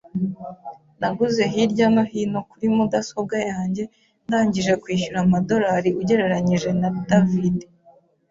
Naguze hirya no hino kuri mudasobwa yanjye ndangije kwishyura amadorari ugereranije na David.